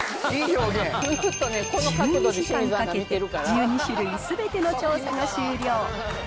１２時間かけて、１２種類すべての調査が終了。